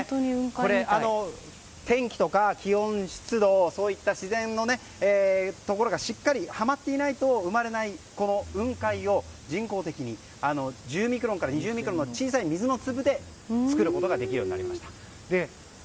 これ、天気とか気温、湿度そういった自然のところがしっかりはまっていないと生まれない雲海を人工的に１０ミクロンから２０ミクロンの小さい水の粒で作ることができるようになりました。